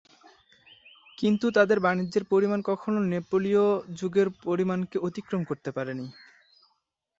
কিন্তু তাদের বাণিজ্যের পরিমাণ কখনও নেপোলনীয় যুগের পরিমাণকে অতিক্রম করতে পারেনি।